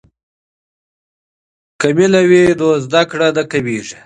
که مینه وي نو زده کړه نه کمیږي.